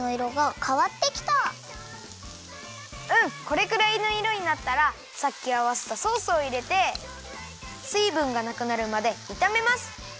これくらいのいろになったらさっきあわせたソースをいれてすいぶんがなくなるまでいためます。